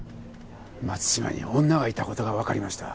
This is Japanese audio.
松島に女がいた事がわかりました。